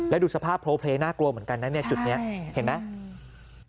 แล้วดูสภาพโพลเพลย์น่ากลัวเหมือนกันนะเนี่ยจุดนี้เห็นไหม